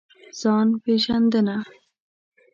ځان پېژندنه.